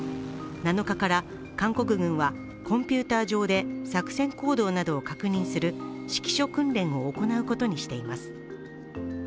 ７日から韓国軍はコンピューター上で作戦行動などを確認する指揮所訓練を行うことにしています。